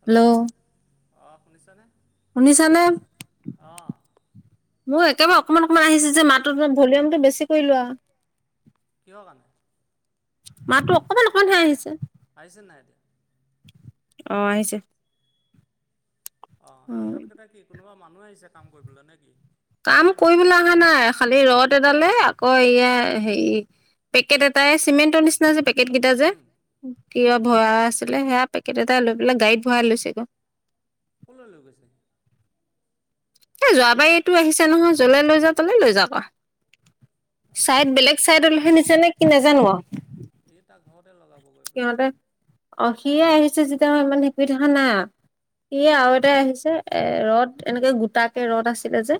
Hello. অ' শুনিছানে? শুনিছেনে? অঁ মোৰ একেবাৰে অকমান অকণমান আহিছে যে মাতটো, তোমাৰ ভলিউমটো বেছি কৰি লোৱা। কিহৰ কাৰণে? মাতটো অকমান অকমানহে আহিছে। আহিছে নাই এতিয়া? অ' আহিছে। অ' এই উম, ইহঁতকেইটা কি, কোনোবা মানুহ আহিছে কাম কৰিবলৈ নে কি? কাম কৰিবলৈ অহা নাই। খালি ৰদ এডালে, আকৌ এয়া হেৰি। পেকেট এটাই, চিমেণ্টৰ নিচিনা যে পেক পেকেট কেইটা যে, উম কিবা ভৰাই আছিলে। সেয়া পেকেট এটা লৈ পেলাই গাড়ীত ভৰাই লৈছেগৈ। ক'লৈ লৈ গৈছে সি? এই যোৱাবাৰ এইটো আহিছে নহয়, য'লে লৈ যা তলেই লৈ যাওক আৰু। চাইদ অঁ বেলেগ চাইডলৈহে নিছে নে কি নাজানো আৰু! সেই তাৰ ঘৰতে লগাব গৈ পেলাই সিহঁতে আকৌ! অ' সিয়ে আহিছে যেতিয়া মই ইমান হেৰি কৰি থকা নাই আৰু! সিয়ে আৰু উম এটাই আহিছে। এ ৰদ, এনেকে গোটাকে ৰদ আছিলে যে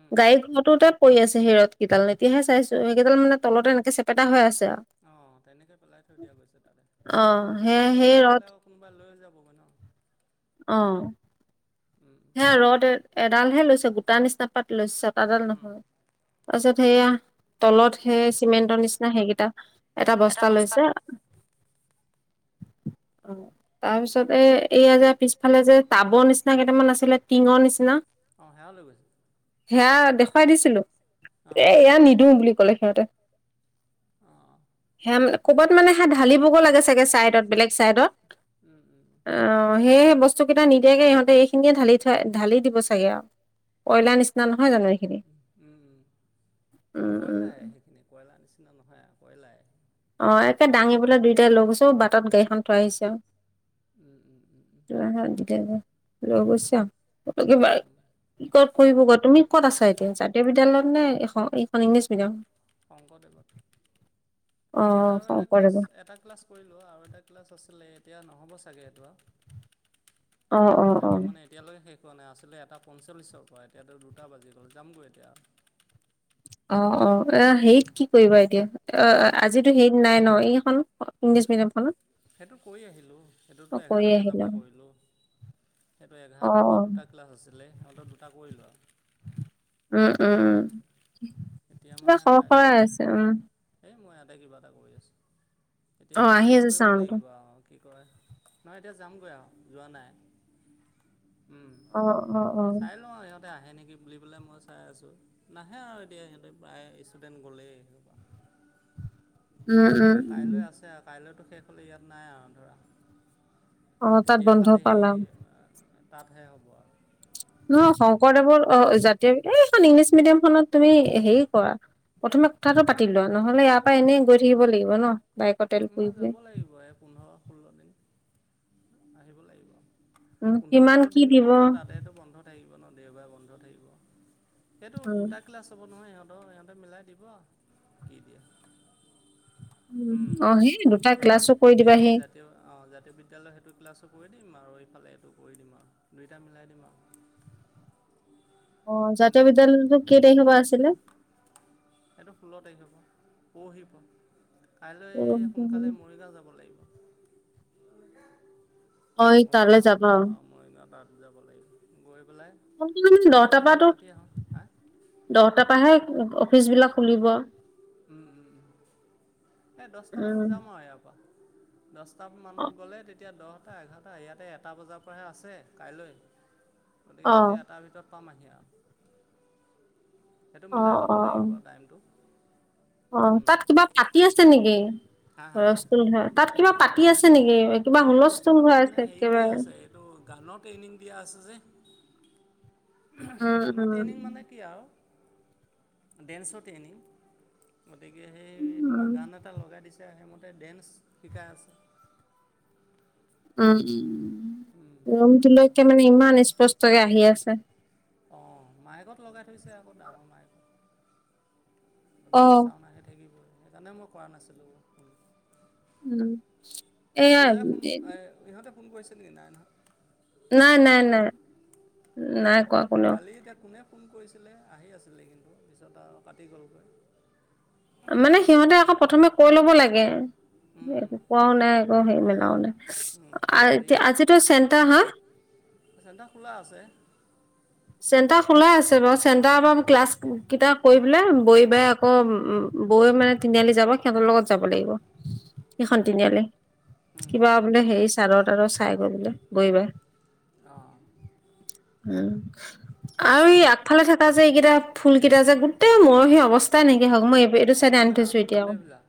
উম গাড়ী ঘৰটোতে পৰি আছে সেই ৰদ কেইডাল। এতিয়াহে চাইছো, সেইকেইডাল মানে তলতে এনেকে চেপেটা হৈ আছে আৰু! অ' তেনেকৈ পেলাই থৈ দিয়া গৈছে তাতে, অ সে নহ'লে সেই বেলেগত ৰদ থ'লে আকৌ কোনোবা লৈ যাবগৈ ন! অ উম। সেয়া ৰদ এডালহে লৈছে গোটা নিচিনা পাত লৈছে ছটাডাল উম নহয়। তাৰপিছত সেইয়া তলত সেই চিমেণ্টৰ নিচিনা সেইকেইটা এটা বস্তা লৈছে। অ তাৰ পিছত এ এয়া যে পিছফালে যে টাবৰ নিচিনা কেইটামান আছে। টিঙৰ নিচিনা অঁ সেয়া লৈ গৈছে সেয়া দেখ। দেখুৱাই দিছিলো অঁ এ এয়া নিদো বুলি কলে সিহঁতে। অঁ অঁ সে সেইকাৰণে ক'ৰবাত মানে সে ঢালিবগে লাগে চাগে চাইডত বেলেগ চাইডত। উম উম উম অ সেইয়েহে বস্তু কেইটা নিদিয়াকে ইহঁতে এইখিনিয়ে ঢালি থই ঢালি দিব চাগে আৰু। কয়লাৰ নিচিনা নহয় জানো এইখিনি জানো? উম উম। কয়লাই সেইখিনি কয়লাৰ নিচিনা নহয় আৰু কয়লাই। অ একে দাঙি পেলাই দুইটাই লৈ গৈছে অ বাটত গাড়ীখন থৈ আহিছে। উম উম উম উম সিহঁত কিতাই লৈ গৈছে অ ফুটুকী বাঘ উম। কি কত কৰিব গ তুমি ক'ত আছা এতিয়া জাতীয় বিদ্যালয়ত নে এ এইখন ইংলিছ মিডিয়াম। শংকৰদেৱত ইয়াত অ' আৰু এটা ক্লাছ শংকৰদেৱৰ এটা ক্লাছ। কৰিলোঁ আৰু এটা ক্লাছ আছিলে এতিয়া নহ'ব চাগে এইটো। অ' উম অ' অ' সিহঁতৰ মানে। এতিয়ালৈকে শেষ হোৱাই আছিলে এটা পঞ্চল্লিছৰ পৰা এতিয়াতো দুটা বাজি গ'ল যামগৈ এতিয়া। অ অ এ হেইত কি কৰিবা এতিয়া অ আজিতো হেইত নাই ন এইখন ইংলিছ মিডিয়ামখনত সেইটো কৰি আহিলোঁ অ' সেইটোতো কৰি এঘাৰটা বজাৰ আহিলা পৰা কৰিলোঁ সেইটো অ', এঘাৰটা পৰা অ', দুটা ক্লাছ আছিলে সিহঁতৰ দুটা কৰিলো আৰু উম উম উম এতিয়া মানে কিবা সৰ কাইলৈ সৰাই আছে উম এই মই ইয়াতে কিবা এটা কৰি আছো এতিয়া অ', মানে আহি হেৰি আছে কৰিব চাউণ্ডটো। লাগিব আৰু কি কয় নাই এতিয়া যামগৈ আৰু যোৱা নাই অ', অ', অ', চাই লওঁ আৰু সিহঁতে আহে নেকি বুলি পেলাই মই চাই আছোঁ নাহে আৰু এতিয়া সিহঁতে প্ৰায় ষ্টুডেণ্ট গলেই সেইসুপা উম, উ উম, এতিয়া উম, কাইলৈ আছে। কাইলৈতো শেষ হ'লে ইয়াত নাই আৰু ধৰা অ', তাত তেতিয়া বন্ধ খালী সেই। পালা। তাতহে হ'ব আৰু। নহয় শংকৰদেৱৰ অ জাতীয় এইখন ইংলিছ মিডিয়াম খনত তুমি হেৰি কৰা। প্ৰথমে কথাটো পাতি লোৱা নহ'লে ইয়াৰ পৰা এনেই গৈ থাকিব লাগিব ন। বাইকৰ তেল পুৰি নহয় পুৰি। যাব লাগিব এই পোন্ধৰ ষোল্ল দিন আহিব লাগিব। উম, পোন্ধৰ কিমান ষোল্ল কি দিনো দিব কতা তাতে। সেইটো বন্ধ থাকিব ন দেওবাৰে বন্ধ থাকিব সেইটো উম, দুটা ক্লাছ হ'ব নহয় সিহঁত। ত সিহঁতে মিলাই দিব কি দিয়ে। উ উম, অ সি দুটা ক্লাছো কৰি এতিয়া দিবা সেই সি। জাতীয় অঁ জাতীয় বিদ্যালয় সেইটো ক্লাছো কৰি দিম আৰু এইফালে এইটো কৰি দিম আৰু দুইটা মিলাই দিম আৰু। [unintelligible] [unintelligible] অ জাতীয় উম, বিদ্যালয়তো কেই তাৰিখৰ পৰা আছিলে? সেইটো ষোল্ল তাৰিখ হ'ব পৰহি পৰা। কাইলৈ সোনকালে মৰিগাঁও যাব লাগিব অ', এই তালৈ যাবা। মৰিগাঁও মৰিগাঁও তাত যাব লাগিব গৈ পেলাই সোনকালে মানে কথা দহটাৰ বতৰাখিনি পৰাতো পাতি আহোঁ হা দহটাৰ পৰাহে অফিচ বিলাক খুলিব এই দহটামানত উম, যাম আৰু ইয়াৰ পৰা দ দটা অ, মানত গ'লে তেতিয়া দহটা এঘাৰটা ইয়াতে এটা বজাৰ পৰাহে আছে কাইলৈ গতিকে অ, তেতিয়া এটাৰ ভিতৰত পাম আহি আৰ। সেইটো অ, মিলাই ল'ব অ, লাগিব টাইমটো। অ', উম, তাত কিবা পাতি আছে নেকি? হা হা হস্থুল হয় তাত কিবা পাতি আছে নেকি কিবা এই হুলস্থুল ওচৰত হৈ মানে আছে হেৰি কৰি একেবাৰে আছে এইটো গানৰ ট্ৰেইনিং দিয়া আছে যে উম, গানৰ উম, ট্ৰেইনিং মানে কি আৰু ডেন্সতে আনিম গতিকে সেই উম, তোমাৰ গান এটা লগাই দিছে সেইমতে ডেন্স, শিকাই আছে। উম, উম, সেইটো। ৰুমটোলৈকে মানে ইমান স্পষ্টকে আহি আছে। অ', মাইকত লগাই থৈছে আকৌ ডাঙৰ মাইকত। অ, গতিকে চাউণ্ড আহি থাকিবই সেইকাৰণে মই কৰা নাছিলোঁ [unintelligible] উম, এয়া পূজাই ফোন আহ ইহঁতে ফোন কৰিছে নেকি, নাই নহয়? নাই, নাই, পূজাই, নাই, অ, নাই কোৱা কোনেও কালি এতিয়া কোনে ফোন কৰিছিলে আহি আছিলে কিন্তু পিছত আৰু কাটি গ'লগৈ। মানে সিহঁতে আকৌ প্ৰথমে কৈ ল'ব লাগে, উম, একো উম। কোৱাও নাই আকৌ হে মেলাও নাই। উম, হেৰি আজ আজিতো চেণ্টাৰ, হা? চেণ্টাৰ খোলা আছে। চেণ্টাৰ খোলা আছে বাৰু চেণ্টাৰ পৰা ক্লাছ কেইটা কৰি পেলাই বহি পাই আকৌ, বৈ মানে তিনিআলি যাব। সিহঁতৰ লগত যাব লাগিব, উম, সিখন তিনিআলি, উম, কিবা বোলে হেৰি চাদৰ তাদৰ চাই গল গে [unintelligible] অ', উম, আৰু ই আগফালে থাকা যে এইকেইটা ফুল কেইটা যে গোটেই মৰহি অৱস্থাই নেকি হ মই এইটো চাইডে আনি কোনকেইটা থৈছোঁ এতিয়াও। মন্দে ভিলা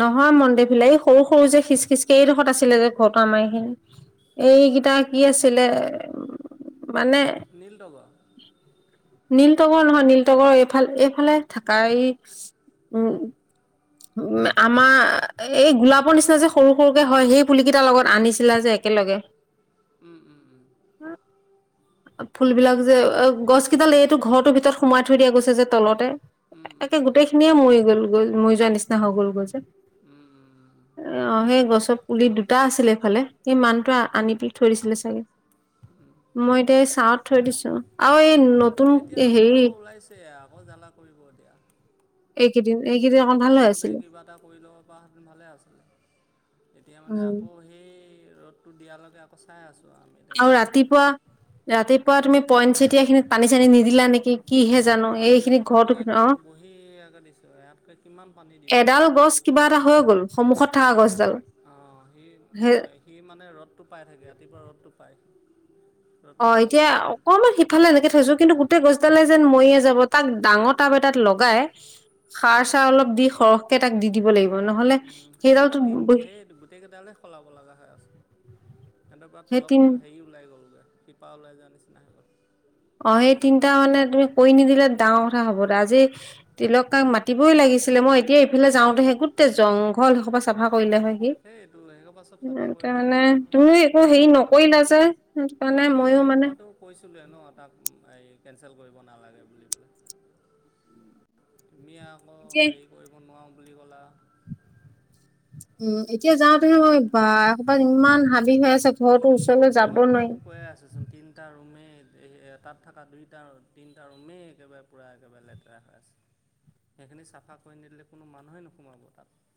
নহয় মন্দে ফিলাই এই সৰু সৰু যে খিচ খিচ এইডোখৰত আছিলে যে ঘৰতো আমাৰ সেই এইকেইটা কি আছিলে, মানে নীলতগৰ? নীলতগৰ নহয় নীলতগৰ এইফাল এইফালে থাকা এই উম, উম, আমাৰ, এই গোলাপৰ নিচিনা যে সৰু সৰুকে হয় সেই পুলি কেইটাৰ লগত আনিছিলা যে একেলগে। উম, উম, উম, [unintelligible] ফুলবিলাক যে, গছ কেইডাল এইটো ঘৰতোৰ ভিতৰত সোমাই থৈ দিয়া গৈছে যে তলতে। উম, উম, একে উম, উম, গোটেইখিনিয়ে মৰি গল গৈ মৰি যোৱাৰ নিচিনা হৈ গল গ'ল যে। উম, উম, উম, অ', সেই গছৰ পুলি দুটা আছিলে এইফালে, সেই মানুটো উম। আনি দি থৈ দিছিলে চাগে। মই এতিয়া এই ছাঁত থৈ দিছো, আৰু এই নতুন এতিয়া ৰ'দটো হেৰি আকৌ ওলাইছে আকৌ জ্বালা কৰিব এতিয়া। এইকেইদিন, এইকেইদিন অকণ ভাল হৈ এইকেইদিনতে আছিলে কিবা এটা কৰি ল'ব পৰাহেঁতেন ভালে আছিল, এতিয়া মানে উম আকৌ সেই, ৰ'দটো দিয়ালৈকে আকৌ চাই আছোঁ আমি। আৰু তেনেকুৱা হৈছে ৰাতিপুৱা, এতিয়া। ৰাতিপুৱা তুমি পইণ্ট চেতিয়া খিনিত পানী চানী নিদিলা নেকি? কিহে জানোঁ পানী এইখিনি পানী ঘৰতে অ, একদম বঢ়িয়াকৈ দিছোঁ ইয়াতকৈ কিমান পানী দিবা আৰু এডাল গছ কিবা এটা হৈ গ'ল সন্মুখত থাকা গছডাল। অ', সি, সেই সি মানে ৰ'দটো পাই থাকে ৰাতিপুৱা ৰ'দটো পায়। ৰ'দটো অ', পোৱাৰ এতিয়া কাৰণে হৈছে এইটো অকমান শিপ সিফালে এনেকে থৈছোঁ কিন্তু গোটেই গছডালে যেন মৰিয়ে যাব তাক ডাঙৰ টাব এটাত লগাই সাৰ চাৰ অলপ দি সৰহকে তাক দি দিব লাগিব ন। সেইকেইটা তিনিটা সেই গোটেইকেইদালে সলাব লগা হৈ আছে। তেনেকুৱা সেই তিন তলৰফালে হেৰি ওলাই গ'লগে শিপা ওলাই যোৱা নিচিনা হৈ গ'ল। অ, সেই তিনিটা মানে তুমি কৰি নিদিলে ডাঙৰ কথা হ'ব আজি তিলক কাক মাতিবই লাগিছিলে মই এতিয়া এইফালে যাওঁতে সেই গোটেই জং হল সেইসোপা চাফা কৰিলে হয় সি, সেই এইটো সেইসোপা পৰা চব চাফা এতিয়া কৰিলোঁ হয় মানে মইতো তোমাক তুমিও সেই একো কৈ হেৰি আছিলোঁ তুমি সেই নকৰিলা যে। [unintelligible] মানে মই কি মইয়ো সেই মানে মইতো কৈছিলোঁৱে ন' তাক এই, কেঞ্চেল কৰিব নালাগে বুলি পেলাই। তুমি আকৌ এতিয়াই হেৰি কৰিব নোৱাৰোঁ বুলি ক'লা। উম, এতিয়া যাওতেহ মই বা এইসোপা ইমান হাবি হৈ আছে। ঘৰটোৰ ওচৰলৈ যাব নোৱাৰি। গৈ আছে চোন। তিনিটা ৰুমেই তাত থাকা দুইটা তিনিটা ৰুমেই একেবাৰে পূৰা একেবাৰে লেতেৰা হৈ আছে। সেইখিনি চাফা কৰি নিদিলে কোনো মানুহেই নোসোমাব তাত।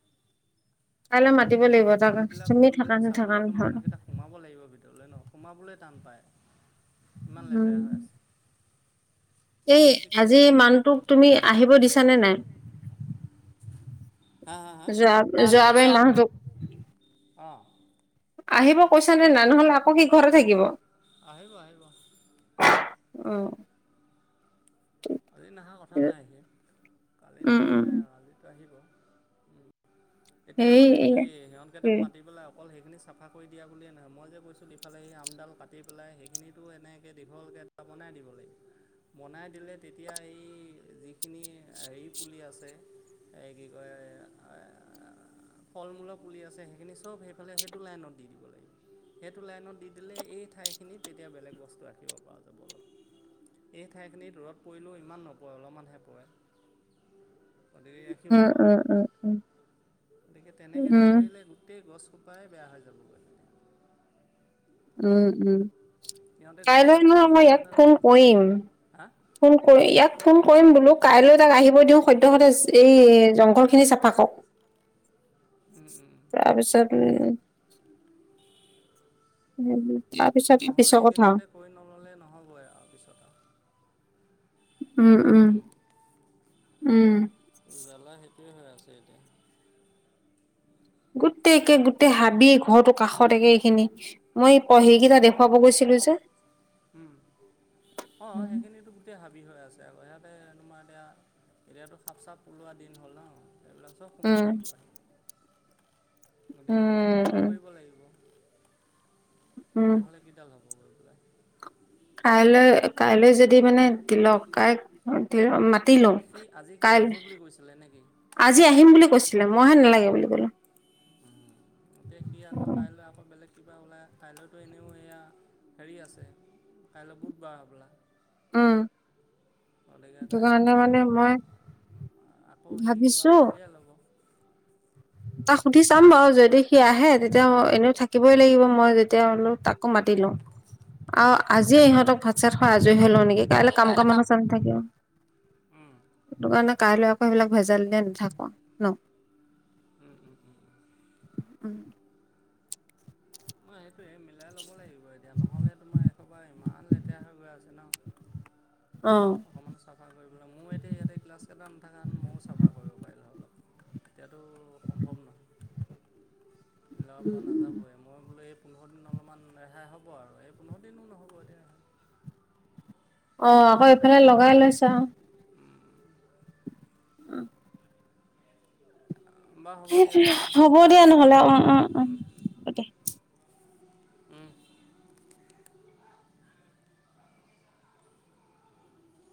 কাইলৈ মাতিব লাগিব তাক ফুলবিলাক তুমি থাকা ফুলবিলাক নেথাকা চাবলৈতো নহয়। মানুহকেইটা সোমাব লাগিব ভিতৰলৈ ন সোমাবলৈ টান পায়। ইমান উম, লেতেৰা হৈ আছে। এই সেইখিনি ঠিক কৰি আজি মানুটোক তুমি আহিব দিছানে নাই। যোৱা হা-হা-হা যোৱাবাৰী যোৱা মানুহটোক অ, আহিব কৈছা নে নাই নহ'লে আকৌ সি ঘৰতে থাকিব। আহিব আহিব অ ', আজি নহা কথা নাই কালি উম, নাহিল উম, নাই আৰু আজিতো আহিব। এতিয়া সেই মানে কি সিহঁত কেইটাক মাতি পেলাই অকল সেইখিনি চাফা কৰি দিয়া বুলিয়েই নহয় মই যে কৈছো ইফালে এ আমডাল কাটি পেলাই সেইখিনিতো এনেকে দীঘলকে বনাই দিব লাগিব। বনাই দিলে তেতিয়া এই যিখিনি হেৰি পুলি আছে। এ কি কয় অ, ফল মূলৰ পুলি আছে সেইখিনি চব সেইফালে সেইটো লাইনত দি দিব লাগিব। সেইটো লাইনত দি দিলে এই ঠাইখিনিত তেতিয়া বেলেগ বস্তু ৰাখিব পৰা যাব অলপ। এই ঠাইখিনিত ৰদ পৰিলেও ইমান নপৰে অলপমানহে পৰে গতিকে ৰাখিব উম - পৰা উম যাব - তাত উম - উম। গতিকে তেনেকে উম, নকৰিলে গোটেই গছ সোপাই বেয়া হৈ যাবগৈ। উম - উম সিহঁতে কাইলৈ গছডাল নহয় কাটি মই ইয়াক নিয়াহেঁতেন ফোন অলপ ভাল কৰিম। হ'লহেঁতেন হা ফোন কৰি ইয়াত ফোন কৰিম বোলো কাইলৈ তাক আহিব দিও সত্য সদ এই জংঘল খিনি চাফা কৰক। উম - উম। তাৰপিছত উম, উম- উম। তাৰপিছত নহ'লে পিছৰ কথা এইকেইদিনতে কৈ নল'লে নহ'বই আৰু পিছত আৰু। উম - উম - উম। জালা সেইটোয়ে হৈ আছে এতিয়া। গোটেই একে গোটেই হাবি ঘৰটোৰ কাষতে এইখিনি মই পঢ়িকেইটা দেখুৱাব গৈছিলো যে। উম, অ, উম সেইখিনিটো গোটেই হাবি হৈ আছে আকৌ সিয়াতে তোমাৰ এতিয়া এতিয়াতো সাপ চাপ ওলোৱা দিন হ'ল ন এইবিলাক চব সোমাই উম থাকিব গতিকে সেইখিনি ঠিক উম কৰিব লাগিব। উম নহ'লে কিডাল হব এইবিলাক। কাইলে কাইলে যদি মানে তিলক কাইক তিল মাত সি আজি কি নাহো বুলি কৈছিলে নে কি? আজি আহিম বুলি কৈছিলে মইহে নেলাগে বুলি ক'লো। এতিয়া সি আকৌ কাইলে আকৌ বেলেগ। কিবা ওলা কাইলেনো এয়া হেৰি আছে কাইলে বুধবাৰ হবলা। উম গতিকে সেইটো কাইলৈ কাৰণে সি মানে আকৌ মই আকৌ সি কিবা ভাবিছো। এটা উলিয়াই ল'ব তাক সুধি চাম বাৰু যদি সি আহে তেতিয়া এনেও থাকিবই লাগিব মই যেতিয়া হলেও তাকো মাতি লওঁ, অহ, উম আজি ইহঁতক ভাত চাত খোৱা আজৰি হৈ লও নিকি কাইলে কাম কৰা মানুহ চব থাকিব। উম সেইটো কাৰণে কাইলে আকৌ সেইবিলাক ভেজাল দি নাথাকো ন। উম- উম - উম - উম। উম, হে সেইটোৱে মিলাই ল'ব লাগিব এতিয়া নহ'লে তোমাৰ এহোপা এনে ইমান লেতেৰা হৈ গৈ আছে ন অ', উম, অকণমান চাফ চাফা কৰি দিব ময়ো এতিয়া ইয়াতে ক্লাছকেইটা নাথাকা হেতেন ময়ো চাফা কৰিব পাৰিলো হেতেন। এতিয়াতো সম্ভৱ নহয় মিলাব পৰা উম, নাযাবই। মই বোলো এই পোন্ধৰ দিন অলপমান ৰেহাই হ'ব আৰু এই পোন্ধৰ দিনো নহ'ব এতিয়া। অ কৰিব আকৌ লাগিব এইফালে এতিয়া লগাই এনেকৈ লৈছা। উম, বাৰু হ'ব সেইটোৱে দিয়াচোন বাৰু হ'ব দিয়া চাই লওঁ নহ'লে উম, কি কৰিব পাৰো উম উম, হ'ব দিয়া।